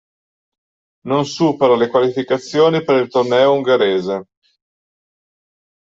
Non supera le qualificazioni per il torneo ungherese.